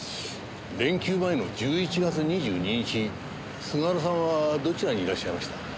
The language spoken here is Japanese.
連休前の１１月２２日菅原さんはどちらにいらっしゃいました？